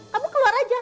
kamu keluar aja